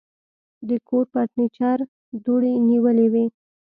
د کور فرنيچر دوړې نیولې وې.